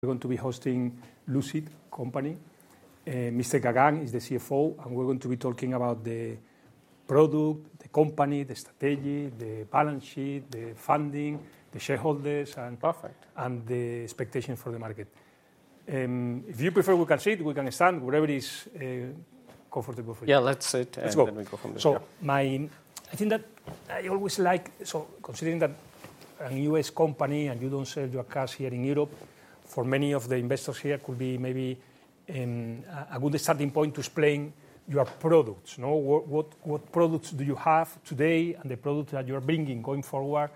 We're going to be hosting Lucid Group. Mr. Gagan is the CFO, and we're going to be talking about the product, the company, the strategy, the balance sheet, the funding, the shareholders, and the expectations for the market. If you prefer, we can sit, we can stand, wherever is comfortable for you. Yeah, let's sit. Let's go. Then we go from there. I think that I always like, so considering that you are a U.S. company and you don't sell your cars here in Europe, for many of the investors here could be maybe a good starting point to explain your products. What products do you have today and the products that you are bringing going forward?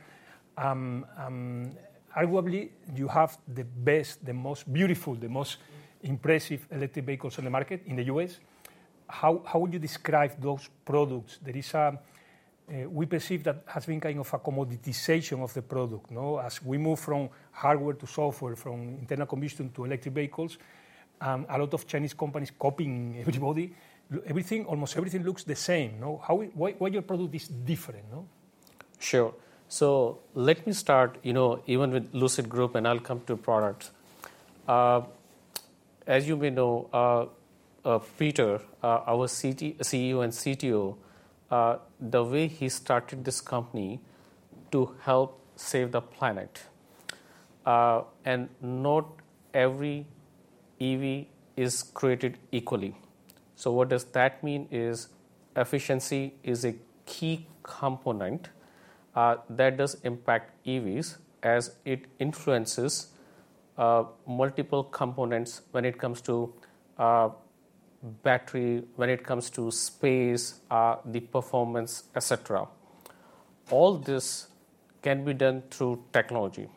Arguably, you have the best, the most beautiful, the most impressive electric vehicles on the market in the U.S. How would you describe those products? We perceive that it has been kind of a commoditization of the product. As we move from hardware to software, from internal combustion to electric vehicles, a lot of Chinese companies copying everybody. Everything, almost everything looks the same. Why your product is different? Sure. So let me start even with Lucid Group and I'll come to product. As you may know, Peter, our CEO and CTO, the way he started this company is to help save the planet. And not every EV is created equally. So what does that mean? Efficiency is a key component that does impact EVs as it influences multiple components when it comes to battery, when it comes to space, the performance, etc. All this can be done through technology.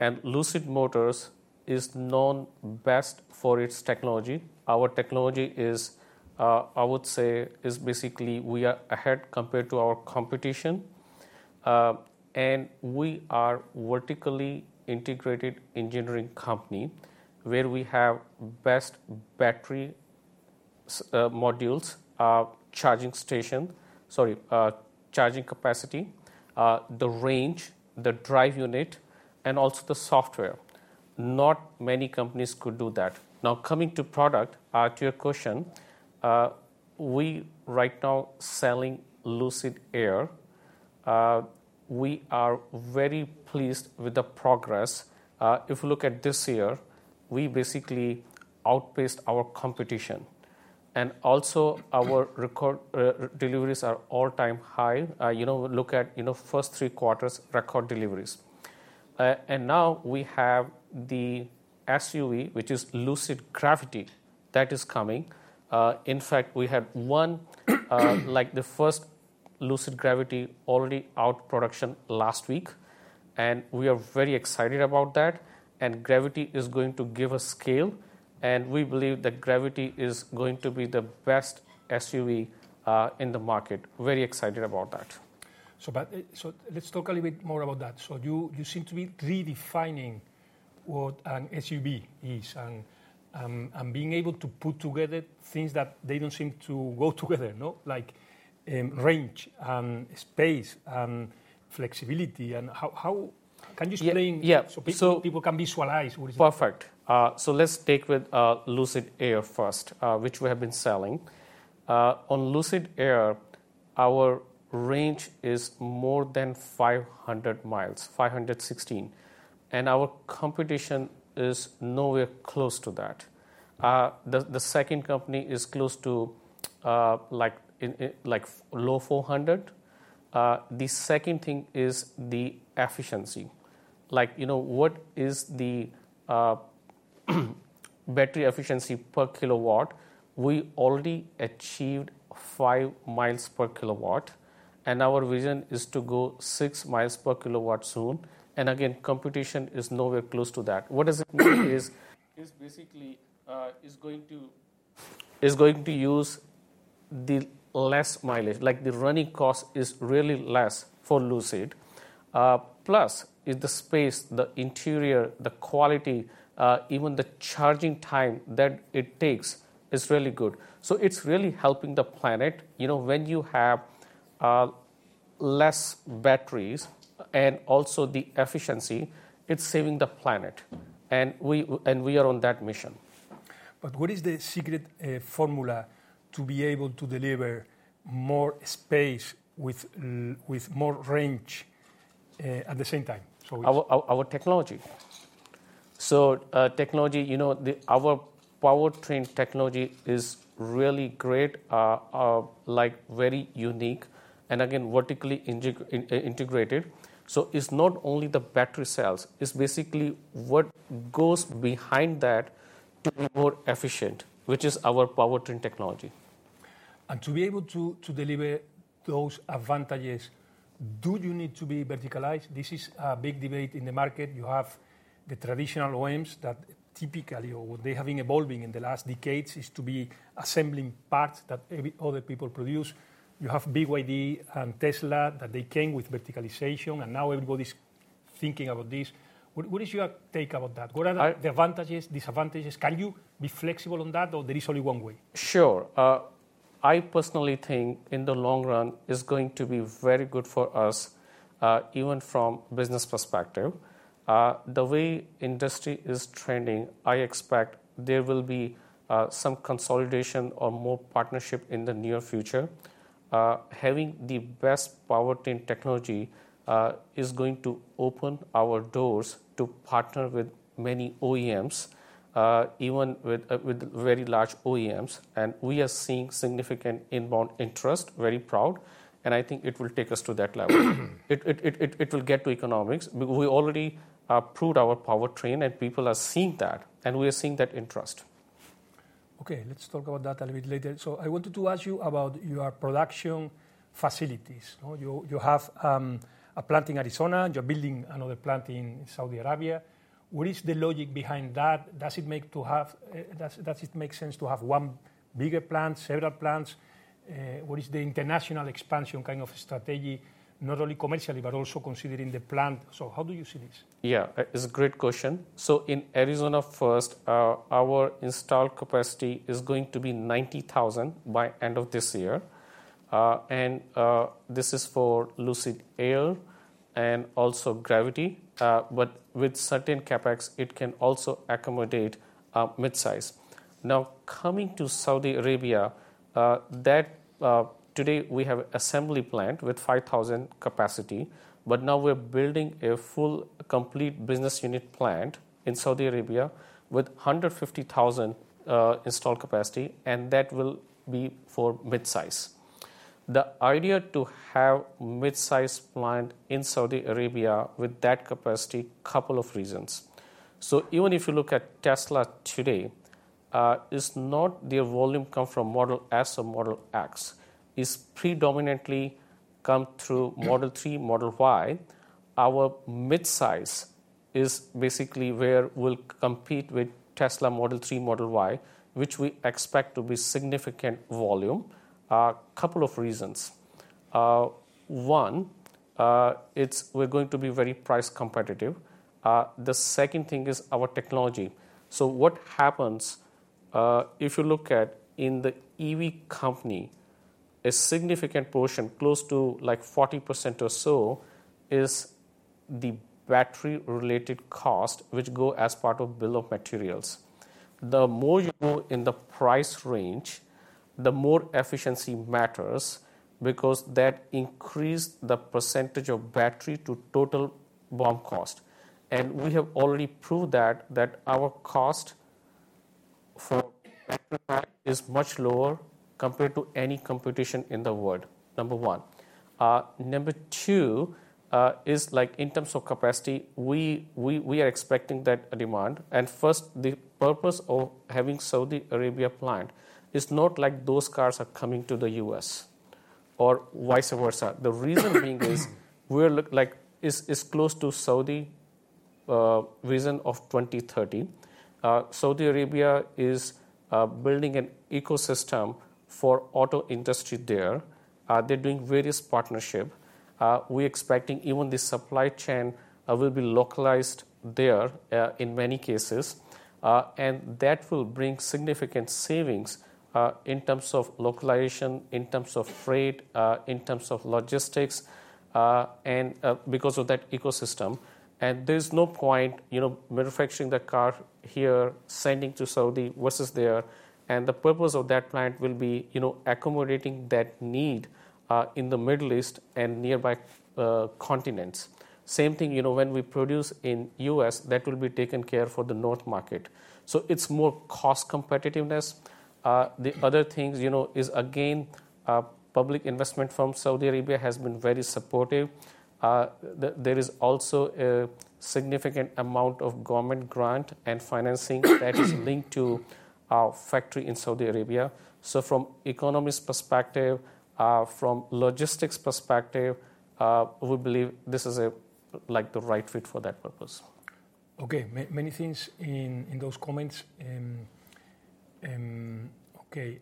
And Lucid Motors is known best for its technology. Our technology is, I would say, basically we are ahead compared to our competition. And we are a vertically integrated engineering company where we have the best battery modules, charging capacity, the range, the drive unit, and also the software. Not many companies could do that. Now, coming to product, to your question, we are right now selling Lucid Air. We are very pleased with the progress. If you look at this year, we basically outpaced our competition. And also, our record deliveries are all-time high. Look at first three quarters record deliveries. And now we have the SUV, which is Lucid Gravity, that is coming. In fact, we had one, like the first Lucid Gravity, already out of production last week. And we are very excited about that. And Gravity is going to give us scale. And we believe that Gravity is going to be the best SUV in the market. Very excited about that. So let's talk a little bit more about that. So you seem to be redefining what an SUV is and being able to put together things that they don't seem to go together, like range, space, flexibility. Can you explain so people can visualize what it is? Perfect. So let's take with Lucid Air first, which we have been selling. On Lucid Air, our range is more than 500 miles, 516. And our competition is nowhere close to that. The second company is close to like low 400. The second thing is the efficiency. What is the battery efficiency per kilowatt? We already achieved five miles per kilowatt. And our vision is to go six miles per kilowatt soon. And again, competition is nowhere close to that. What does it mean is basically it's going to use the less mileage. The running cost is really less for Lucid. Plus, it's the space, the interior, the quality, even the charging time that it takes is really good. So it's really helping the planet. When you have less batteries and also the efficiency, it's saving the planet. And we are on that mission. But what is the secret formula to be able to deliver more space with more range at the same time? Our technology. So technology, our powertrain technology is really great, very unique, and again, vertically integrated. So it's not only the battery cells. It's basically what goes behind that to be more efficient, which is our powertrain technology. To be able to deliver those advantages, do you need to be verticalized? This is a big debate in the market. You have the traditional OEMs that typically, or they have been evolving in the last decades, is to be assembling parts that other people produce. You have BYD and Tesla that they came with verticalization. And now everybody's thinking about this. What is your take about that? What are the advantages, disadvantages? Can you be flexible on that, or there is only one way? Sure. I personally think in the long run, it's going to be very good for us, even from a business perspective. The way industry is trending, I expect there will be some consolidation or more partnership in the near future. Having the best powertrain technology is going to open our doors to partner with many OEMs, even with very large OEMs. And we are seeing significant inbound interest, very proud. And I think it will take us to that level. It will get to economics. We already proved our powertrain, and people are seeing that. And we are seeing that interest. Okay, let's talk about that a little bit later. So I wanted to ask you about your production facilities. You have a plant in Arizona. You're building another plant in Saudi Arabia. What is the logic behind that? Does it make sense to have one bigger plant, several plants? What is the international expansion kind of strategy, not only commercially, but also considering the plant? So how do you see this? Yeah, it's a great question, so in Arizona first, our installed capacity is going to be 90,000 by end of this year, and this is for Lucid Air and also Gravity, but with certain CapEx, it can also accommodate midsize. Now, coming to Saudi Arabia, today we have an assembly plant with 5,000 capacity, but now we're building a full complete business unit plant in Saudi Arabia with 150,000 installed capacity, and that will be for midsize. The idea to have a midsize plant in Saudi Arabia with that capacity, a couple of reasons, so even if you look at Tesla today, it's not their volume come from Model S or Model X, it's predominantly come through Model 3, Model Y. Our midsize is basically where we'll compete with Tesla Model 3, Model Y, which we expect to be significant volume. A couple of reasons. One, we're going to be very price competitive. The second thing is our technology. So what happens, if you look at in the EV company, a significant portion, close to like 40% or so, is the battery-related cost, which goes as part of bill of materials. The more you go in the price range, the more efficiency matters because that increases the percentage of battery to total BOM cost. And we have already proved that our cost for battery is much lower compared to any competition in the world, number one. Number two is like in terms of capacity, we are expecting that demand. And first, the purpose of having a Saudi Arabia plant is not like those cars are coming to the U.S. or vice versa. The reason being is we're like it's close to Saudi Vision 2030. Saudi Arabia is building an ecosystem for the auto industry there. They're doing various partnerships. We're expecting even the supply chain will be localized there in many cases. And that will bring significant savings in terms of localization, in terms of freight, in terms of logistics, and because of that ecosystem. And there's no point manufacturing the car here, sending it to Saudi versus there. And the purpose of that plant will be accommodating that need in the Middle East and nearby continents. Same thing, when we produce in the U.S., that will be taken care of for the North market. So it's more cost competitiveness. The other thing is, again, public investment from Saudi Arabia has been very supportive. There is also a significant amount of government grant and financing that is linked to our factory in Saudi Arabia. From an economist's perspective, from a logistics perspective, we believe this is like the right fit for that purpose. Okay, many things in those comments. Okay,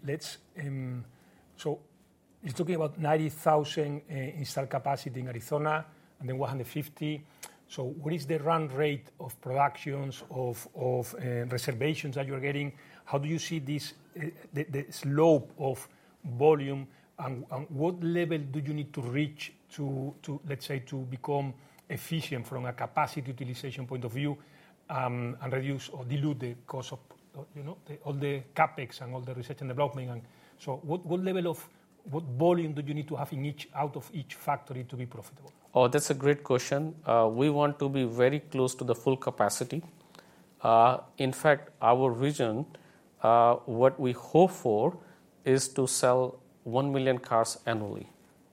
so you're talking about 90,000 installed capacity in Arizona and then 150. So what is the run rate of productions, of reservations that you're getting? How do you see the slope of volume? And what level do you need to reach to, let's say, to become efficient from a capacity utilization point of view and reduce or dilute the cost of all the CapEx and all the research and development? So what level of what volume do you need to have out of each factory to be profitable? Oh, that's a great question. We want to be very close to the full capacity. In fact, our vision, what we hope for is to sell one million cars annually.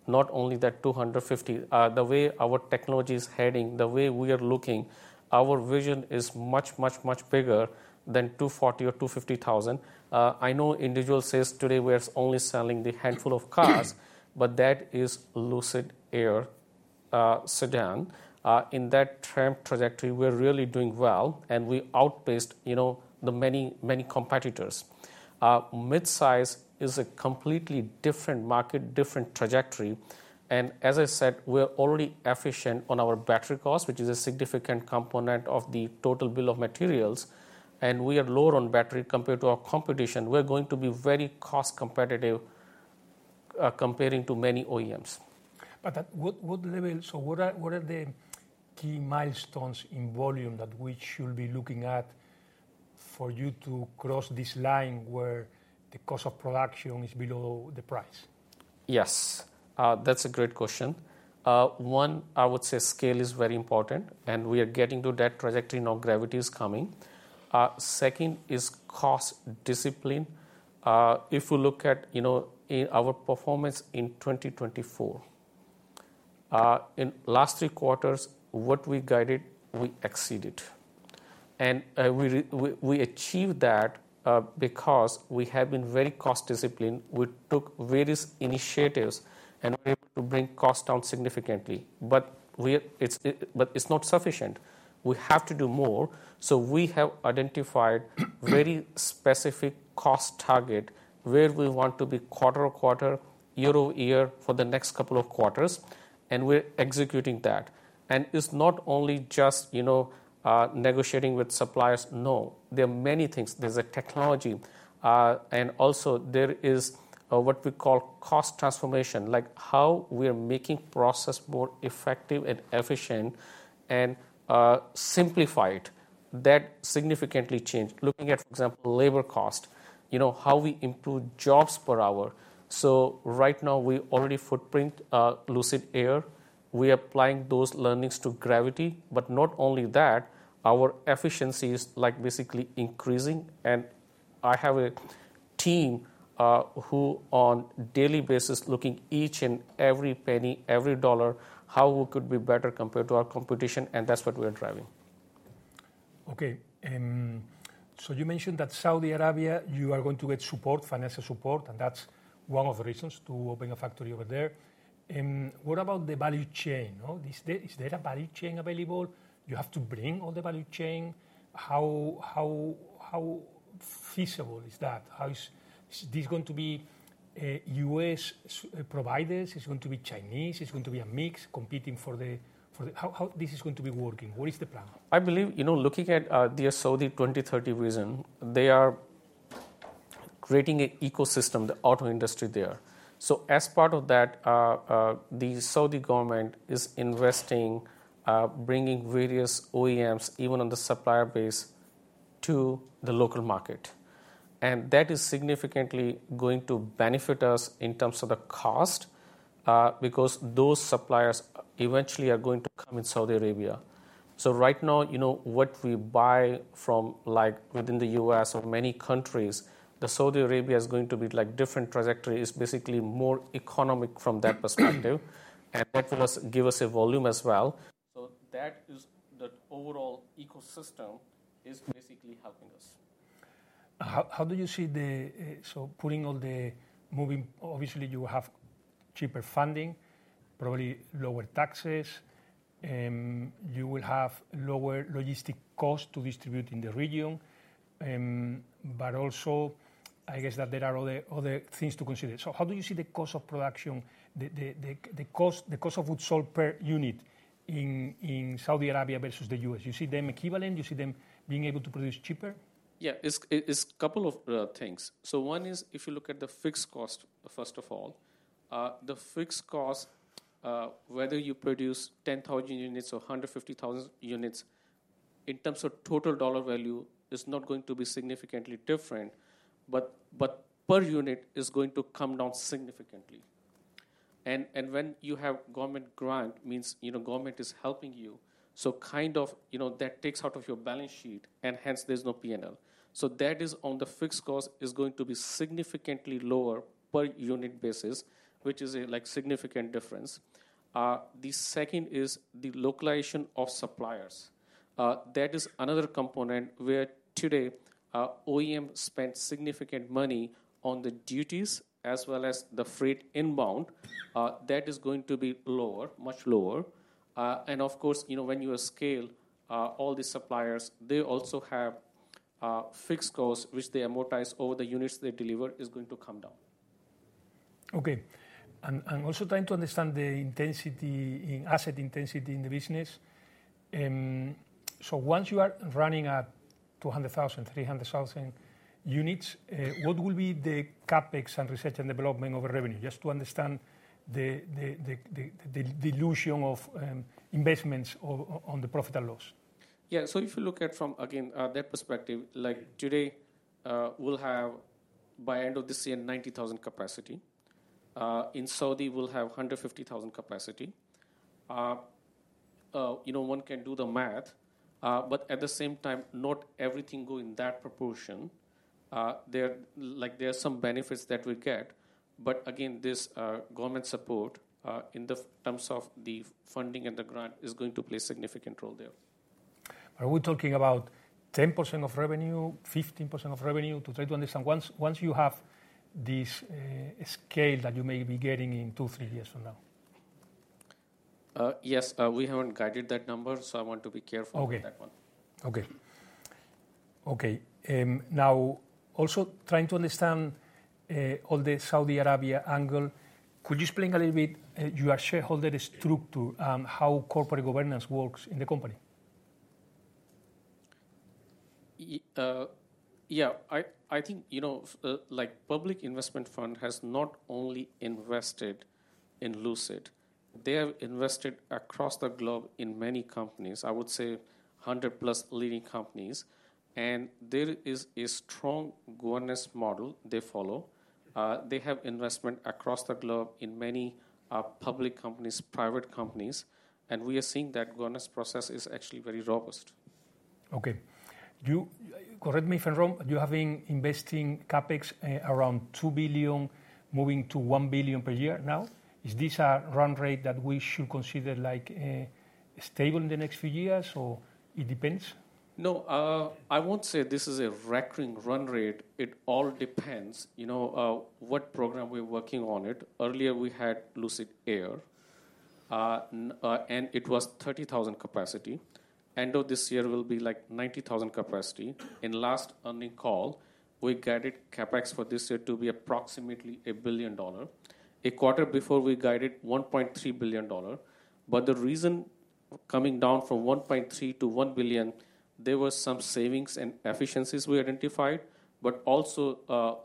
Not only that, 250. The way our technology is heading, the way we are looking, our vision is much, much, much bigger than 240 or 250,000. I know individuals say today we're only selling the handful of cars, but that is Lucid Air sedan. In that trend trajectory, we're really doing well, and we outpaced the many, many competitors. Midsize is a completely different market, different trajectory, and as I said, we're already efficient on our battery cost, which is a significant component of the total bill of materials, and we are lower on battery compared to our competition. We're going to be very cost competitive comparing to many OEMs. But what level, so what are the key milestones in volume that we should be looking at for you to cross this line where the cost of production is below the price? Yes, that's a great question. One, I would say scale is very important. And we are getting to that trajectory now. Gravity is coming. Second is cost discipline. If you look at our performance in 2024, in the last three quarters, what we guided, we exceeded. And we achieved that because we have been very cost-disciplined. We took various initiatives and were able to bring costs down significantly. But it's not sufficient. We have to do more. So we have identified very specific cost targets where we want to be quarter-to-quarter, year-over-year for the next couple of quarters. And we're executing that. And it's not only just negotiating with suppliers. No, there are many things. There's a technology. And also, there is what we call cost transformation, like how we are making processes more effective and efficient and simplified. That significantly changed. Looking at, for example, labor cost, how we improve jobs per hour, so right now, we already footprint Lucid Air. We are applying those learnings to Gravity, but not only that, our efficiency is basically increasing, and I have a team who on a daily basis is looking at each and every penny, every dollar, how we could be better compared to our competition, and that's what we are driving. Okay, so you mentioned that Saudi Arabia, you are going to get support, financial support, and that's one of the reasons to open a factory over there. What about the value chain? Is there a value chain available? Do you have to bring all the value chain? How feasible is that? Is this going to be U.S. providers? Is it going to be Chinese? Is it going to be a mix competing for the how this is going to be working? What is the plan? I believe, looking at their Saudi Vision 2030, they are creating an ecosystem for the auto industry there. As part of that, the Saudi government is investing, bringing various OEMs, even on the supplier base, to the local market. That is significantly going to benefit us in terms of the cost because those suppliers eventually are going to come in Saudi Arabia. Right now, what we buy from within the U.S. or many countries, Saudi Arabia is going to be like a different trajectory. It's basically more economic from that perspective. That will give us a volume as well. That is the overall ecosystem basically helping us. How do you see the so putting all the moving obviously, you have cheaper funding, probably lower taxes? You will have lower logistics costs to distribute in the region. But also, I guess that there are other things to consider. So how do you see the cost of production, the cost of goods sold per unit in Saudi Arabia versus the U.S.? You see them equivalent? You see them being able to produce cheaper? Yeah, it's a couple of things. So one is if you look at the fixed cost, first of all, the fixed cost, whether you produce 10,000 units or 150,000 units, in terms of total dollar value, is not going to be significantly different. But per unit, it's going to come down significantly. And when you have government grant, it means government is helping you. So kind of that takes out of your balance sheet. And hence, there's no P&L. So that is on the fixed cost, it's going to be significantly lower per unit basis, which is a significant difference. The second is the localization of suppliers. That is another component where today OEMs spend significant money on the duties as well as the freight inbound. That is going to be lower, much lower. Of course, when you scale all the suppliers, they also have fixed costs, which they amortize over the units they deliver, is going to come down. Okay. I'm also trying to understand the intensity in asset intensity in the business. So once you are running at 200,000, 300,000 units, what will be the CapEx and research and development over revenue, just to understand the dilution of investments on the profit and loss? Yeah, so if you look at from, again, that perspective, like today, we'll have by end of this year 90,000 capacity. In Saudi, we'll have 150,000 capacity. One can do the math. But at the same time, not everything going in that proportion. There are some benefits that we get. But again, this government support in terms of the funding and the grant is going to play a significant role there. Are we talking about 10% of revenue, 15% of revenue? To try to understand once you have this scale that you may be getting in two, three years from now. Yes, we haven't guided that number. So I want to be careful with that one. Okay. Okay. Okay. Now, also trying to understand all the Saudi Arabia angle, could you explain a little bit your shareholder structure and how corporate governance works in the company? Yeah, I think Public Investment Fund has not only invested in Lucid. They have invested across the globe in many companies, I would say 100-plus leading companies, and there is a strong governance model they follow. They have investment across the globe in many public companies, private companies, and we are seeing that governance process is actually very robust. Okay. Correct me if I'm wrong. You have been investing CapEx around $2 billion, moving to $1 billion per year now. Is this a run rate that we should consider stable in the next few years, or it depends? No, I won't say this is a recurring run rate. It all depends what program we're working on. Earlier, we had Lucid Air, and it was 30,000 capacity. End of this year, it will be like 90,000 capacity. In last earnings call, we guided CapEx for this year to be approximately $1 billion. A quarter before, we guided $1.3 billion, but the reason coming down from $1.3 billion to $1 billion, there were some savings and efficiencies we identified. But also,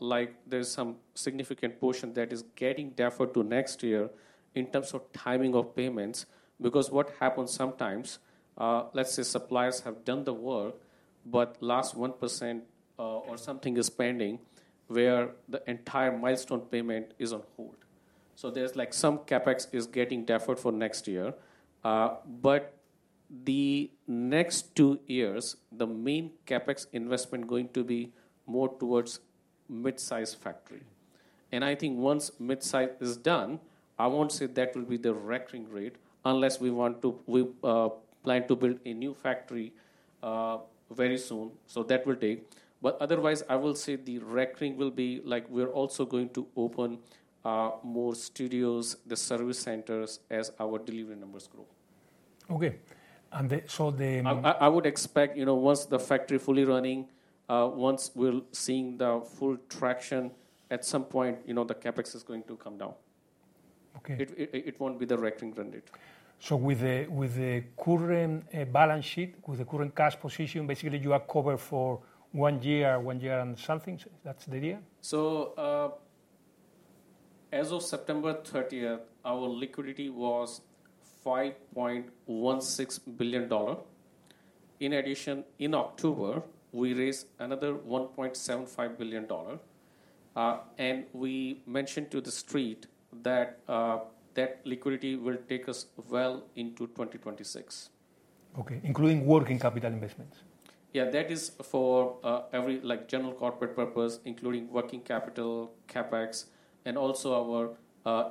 there's some significant portion that is getting deferred to next year in terms of timing of payments. Because what happens sometimes, let's say suppliers have done the work, but last 1% or something is pending where the entire milestone payment is on hold. So there's like some CapEx is getting deferred for next year. But the next two years, the main CapEx investment is going to be more towards midsize factory. And I think once midsize is done, I won't say that will be the recurring rate unless we plan to build a new factory very soon. So that will take. But otherwise, I will say the recurring will be like we're also going to open more studios, the service centers as our delivery numbers grow. Okay and so the. I would expect once the factory is fully running, once we're seeing the full traction, at some point, the CapEx is going to come down. It won't be the recurring run rate. So with the current balance sheet, with the current cash position, basically, you are covered for one year, one year and something. That's the idea? As of September 30, our liquidity was $5.16 billion. In addition, in October, we raised another $1.75 billion. We mentioned to the street that that liquidity will take us well into 2026. Okay, including working capital investments. Yeah, that is for every general corporate purpose, including working capital, CapEx, and also our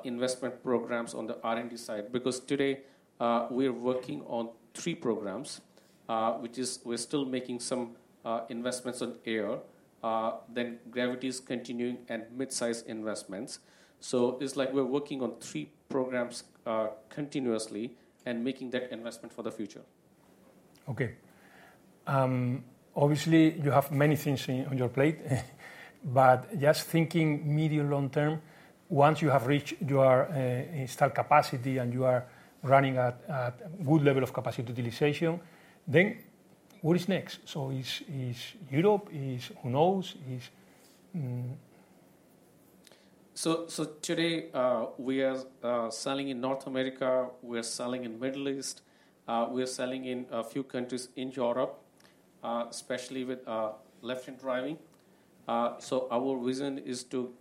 investment programs on the R&D side. Because today, we are working on three programs, which is we're still making some investments on Air, then Gravity is continuing, and midsize investments. So it's like we're working on three programs continuously and making that investment for the future. Okay. Obviously, you have many things on your plate. But just thinking medium-long term, once you have reached your installed capacity and you are running at a good level of capacity utilization, then what is next? So is Europe? Who knows? Today, we are selling in North America. We are selling in the Middle East. We are selling in a few countries in Europe, especially with left-hand driving. Our reason is to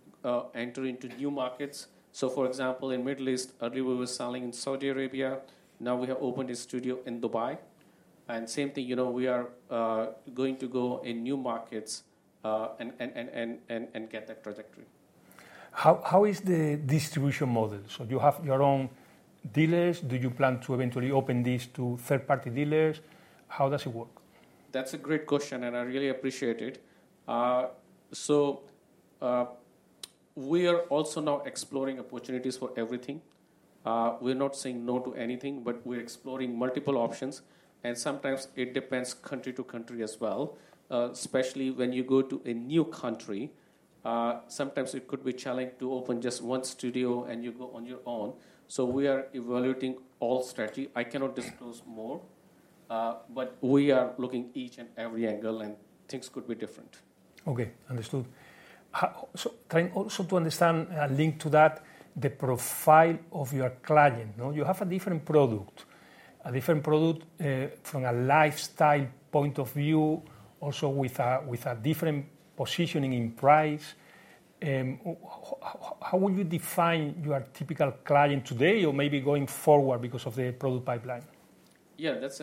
enter into new markets. For example, in the Middle East, earlier, we were selling in Saudi Arabia. Now, we have opened a studio in Dubai. Same thing, we are going to go in new markets and get that trajectory. How is the distribution model? So you have your own dealers. Do you plan to eventually open this to third-party dealers? How does it work? That's a great question. And I really appreciate it. So we are also now exploring opportunities for everything. We're not saying no to anything, but we're exploring multiple options. And sometimes, it depends country to country as well, especially when you go to a new country. Sometimes, it could be challenging to open just one studio and you go on your own. So we are evaluating all strategy. I cannot disclose more. But we are looking at each and every angle. And things could be different. Okay, understood. So trying also to understand and link to that the profile of your client. You have a different product, a different product from a lifestyle point of view, also with a different positioning in price. How would you define your typical client today or maybe going forward because of the product pipeline? Yeah, that's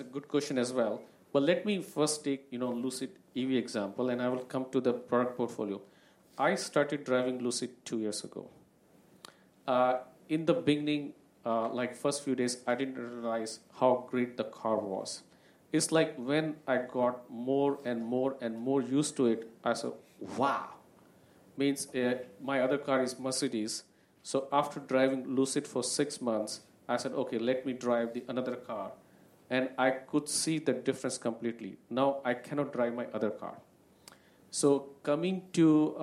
a good question as well. But let me first take Lucid EV example. And I will come to the product portfolio. I started driving Lucid two years ago. In the beginning, like first few days, I didn't realize how great the car was. It's like when I got more and more and more used to it, I said, wow. It means my other car is Mercedes. So after driving Lucid for six months, I said, okay, let me drive the other car. And I could see the difference completely. Now, I cannot drive my other car. So coming to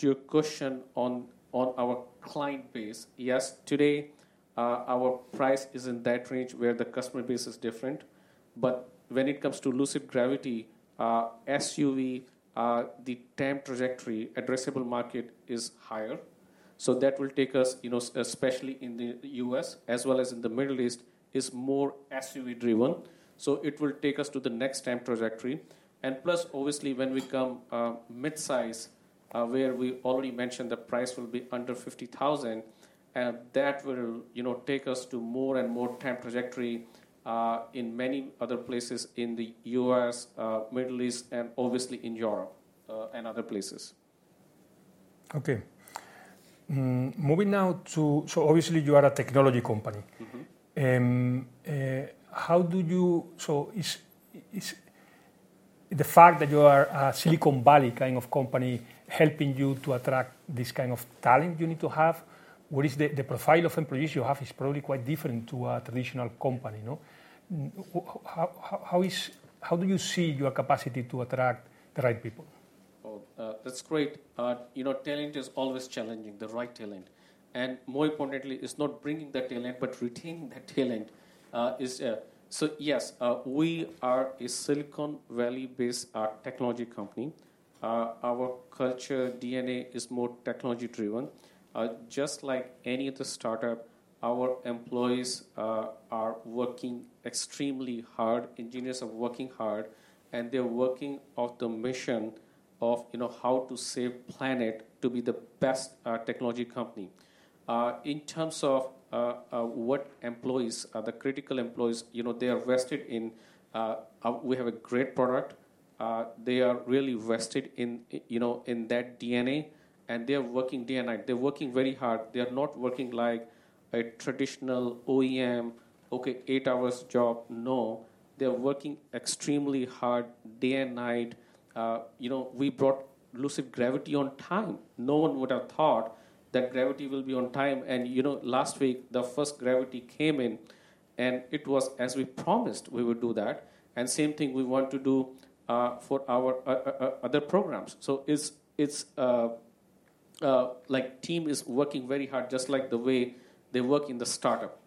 your question on our client base, yes, today, our price is in that range where the customer base is different. But when it comes to Lucid Gravity SUV, the TAM trajectory addressable market is higher. So that will take us, especially in the U.S., as well as in the Middle East, is more SUV-driven. So it will take us to the next TAM trajectory. And plus, obviously, when we come midsize, where we already mentioned the price will be under $50,000, that will take us to more and more TAM trajectory in many other places in the U.S., Middle East, and obviously in Europe and other places. Okay. Moving now to, so obviously, you are a technology company. How does the fact that you are a Silicon Valley kind of company help you to attract this kind of talent you need to have? What is the profile of employees you have? It is probably quite different to a traditional company. How do you see your capacity to attract the right people? That's great. Talent is always challenging, the right talent, and more importantly, it's not bringing that talent, but retaining that talent is, so yes, we are a Silicon Valley-based technology company. Our culture, DNA, is more technology-driven. Just like any other startup, our employees are working extremely hard. Engineers are working hard, and they're working on the mission of how to save the planet to be the best technology company. In terms of what employees are the critical employees, they are vested in we have a great product. They are really vested in that DNA, and they are working day and night. They're working very hard. They are not working like a traditional OEM, okay, eight-hour job. No. They are working extremely hard, day and night. We brought Lucid Gravity on time. No one would have thought that Gravity will be on time. And last week, the first Gravity came in. And it was as we promised we would do that. And same thing we want to do for our other programs. So it's like the team is working very hard, just like the way they work in the startup.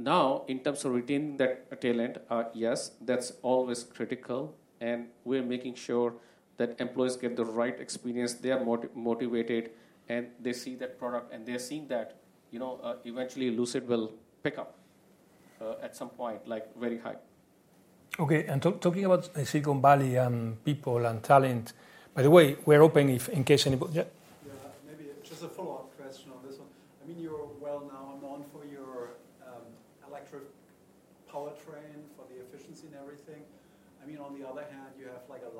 Now, in terms of retaining that talent, yes, that's always critical. And we're making sure that employees get the right experience. They are motivated. And they see that product. And they're seeing that eventually, Lucid will pick up at some point, like very high. Okay. And talking about Silicon Valley and people and talent, by the way, we're open in case anybody. Yeah, maybe just a follow-up question on this one. I mean, you're well known for your electric powertrain for the efficiency and everything. I mean, on the other hand, you have like a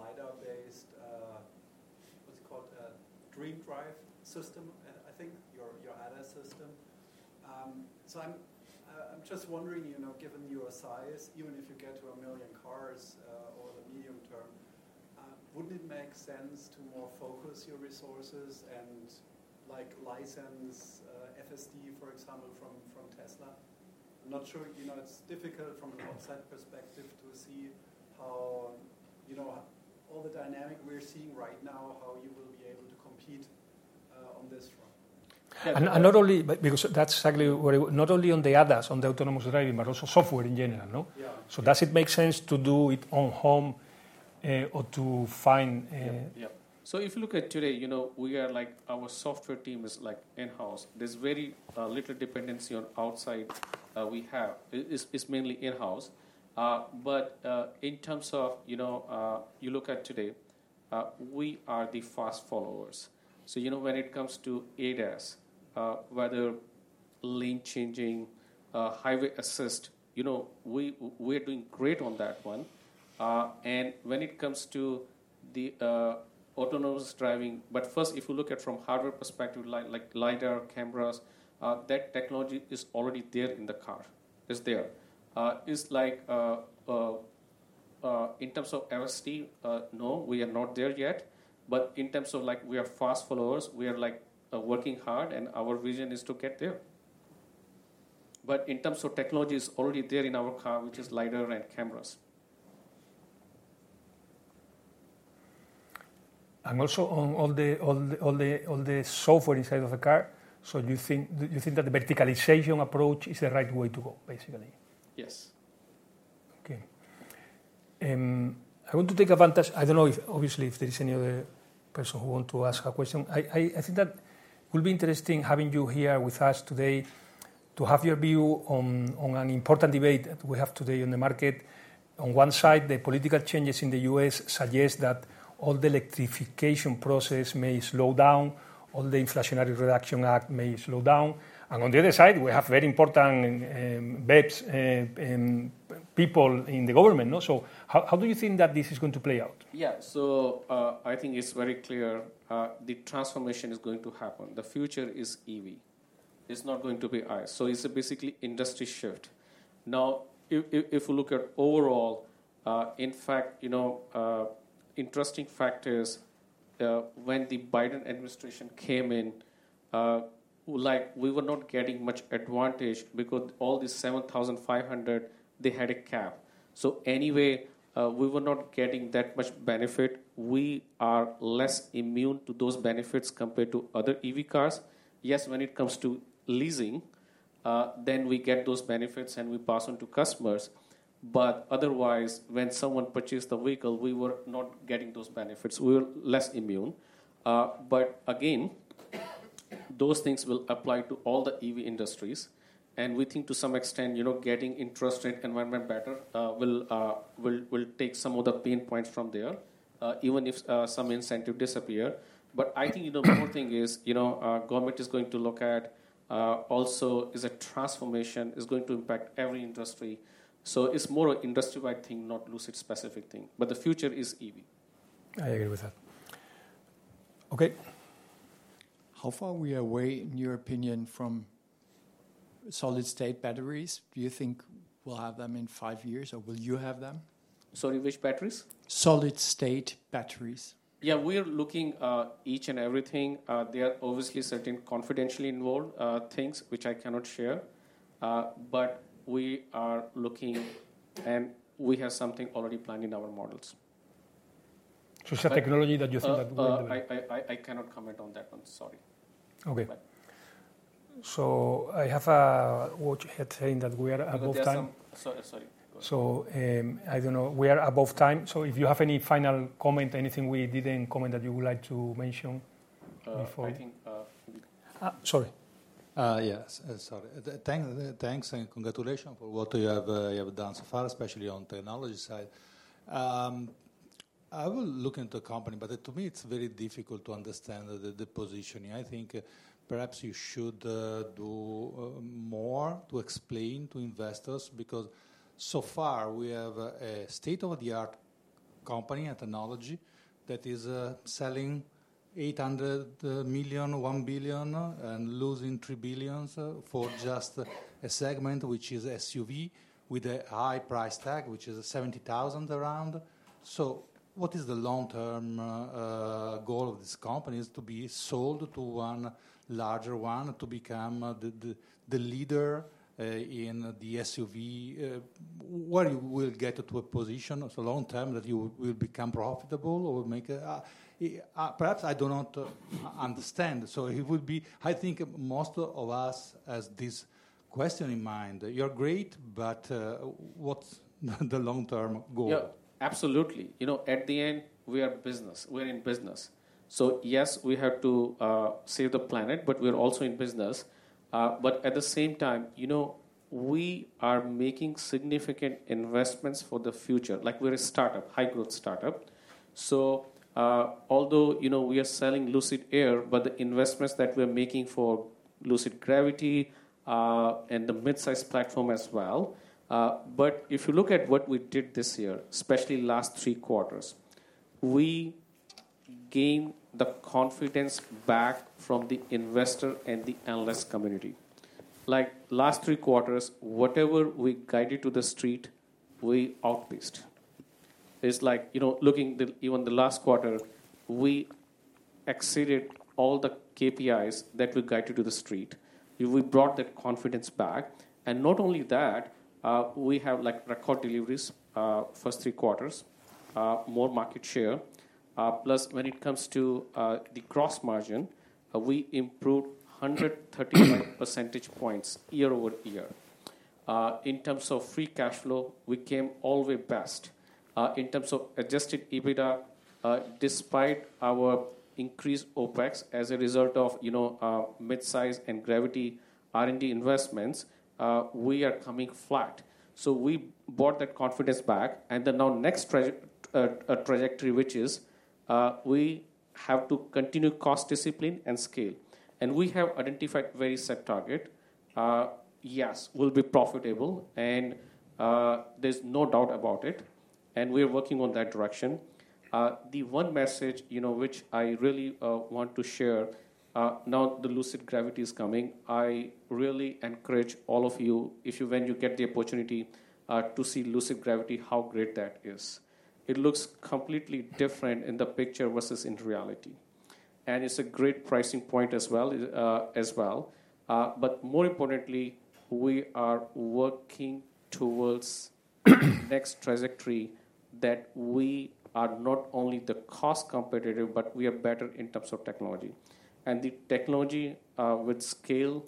LiDAR-based, what's it called, DreamDrive system, I think, your ADAS system. So I'm just wondering, given your size, even if you get to a million cars over the medium term, wouldn't it make sense to more focus your resources and license FSD, for example, from Tesla? I'm not sure. It's difficult from an outsider's perspective to see how all the dynamics we're seeing right now, how you will be able to compete on this front. And not only because that's exactly what it not only on the ADAS, on the autonomous driving, but also software in general. So does it make sense to do it in-house or to find? Yeah. So if you look at today, we are like our software team is like in-house. There's very little dependency on outside we have. It's mainly in-house, but in terms of you look at today, we are the fast followers, so when it comes to ADAS, whether lane changing, highway assist, we are doing great on that one, and when it comes to the autonomous driving, but first, if you look at from hardware perspective, like LiDAR, cameras, that technology is already there in the car. It's there. It's like in terms of FSD, no, we are not there yet, but in terms of like we are fast followers, we are like working hard, and our vision is to get there, but in terms of technology, it's already there in our car, which is LiDAR and cameras. And also on the software inside of the car. So you think that the verticalization approach is the right way to go, basically? Yes. Okay. I want to take advantage. I don't know, obviously, if there is any other person who wants to ask a question. I think that it will be interesting having you here with us today to have your view on an important debate that we have today on the market. On one side, the political changes in the U.S. suggest that all the electrification process may slow down. All the Inflation Reduction Act may slow down. And on the other side, we have very important VIPs people in the government. So how do you think that this is going to play out? Yeah. So I think it's very clear. The transformation is going to happen. The future is EV. It's not going to be us. So it's basically an industry shift. Now, if we look at overall, in fact, interesting fact is when the Biden administration came in, we were not getting much advantage because all these $7,500, they had a cap. So anyway, we were not getting that much benefit. We are less immune to those benefits compared to other EV cars. Yes, when it comes to leasing, then we get those benefits and we pass on to customers. But otherwise, when someone purchased the vehicle, we were not getting those benefits. We were less immune. But again, those things will apply to all the EV industries. We think to some extent, getting interest rate environment better will take some of the pain points from there, even if some incentive disappeared. I think the important thing is government is going to look at also is a transformation is going to impact every industry. It's more an industry-wide thing, not Lucid-specific thing. The future is EV. I agree with that. Okay. How far are we away, in your opinion, from solid-state batteries? Do you think we'll have them in five years? Or will you have them? Sorry, which batteries? Solid-state batteries. Yeah, we're looking at each and everything. There are obviously certain confidentiality involved things, which I cannot share. But we are looking. And we have something already planned in our models. So it's a technology that you think that will be there. I cannot comment on that one. Sorry. Okay, so I have heard you saying that we are above time. Sorry. So I don't know. We are above time. So if you have any final comment, anything we didn't comment that you would like to mention before? I think. Sorry. Yeah, sorry. Thanks and congratulations for what you have done so far, especially on the technology side. I will look into the company, but to me, it's very difficult to understand the positioning. I think perhaps you should do more to explain to investors because so far, we have a state-of-the-art company and technology that is selling $800 million, $1 billion, and losing $3 billion for just a segment, which is SUV, with a high price tag, which is $70,000 around. So what is the long-term goal of this company? Is it to be sold to one larger one to become the leader in the SUV? Where you will get to a position so long-term that you will become profitable or make perhaps I do not understand. So it would be, I think, most of us has this question in mind. You're great, but what's the long-term goal? Yeah, absolutely. At the end, we are business. We're in business. So yes, we have to save the planet. But we're also in business. But at the same time, we are making significant investments for the future. Like we're a startup, high-growth startup. So although we are selling Lucid Air, but the investments that we're making for Lucid Gravity and the midsize platform as well. But if you look at what we did this year, especially last three quarters, we gained the confidence back from the investor and the analyst community. Like last three quarters, whatever we guided to the street, we outpaced. It's like looking even the last quarter, we exceeded all the KPIs that we guided to the street. We brought that confidence back. And not only that, we have record deliveries first three quarters, more market share. Plus, when it comes to the gross margin, we improved 135 percentage points year over year. In terms of free cash flow, we came all the way best. In terms of adjusted EBITDA, despite our increased OPEX as a result of midsize and Gravity R&D investments, we are coming flat, so we brought that confidence back, and then now next trajectory, which is we have to continue cost discipline and scale, and we have identified very set target. Yes, we'll be profitable, and there's no doubt about it, and we are working in that direction. The one message which I really want to share now that Lucid Gravity is coming, I really encourage all of you, when you get the opportunity to see Lucid Gravity, how great that is. It looks completely different in the picture versus in reality, and it's a great pricing point as well. But more importantly, we are working towards the next trajectory that we are not only the cost competitor, but we are better in terms of technology. And the technology with scale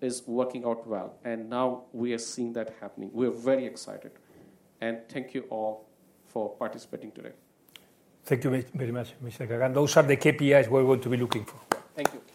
is working out well. And now we are seeing that happening. We are very excited. And thank you all for participating today. Thank you very much, Mr. Gagan. Those are the KPIs we're going to be looking for. Thank you.